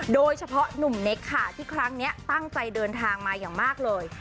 โดยเฉพาะหนุ่มเน็กค่ะที่ครั้งนี้ตั้งใจเดินทางมาอย่างมากเลย